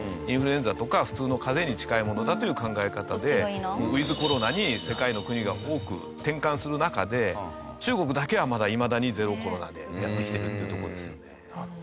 インフルエンザとか普通の風邪に近いものだという考え方でウィズコロナに世界の国が多く転換する中で中国だけはまだいまだにゼロコロナでやってきてるっていうとこですよね。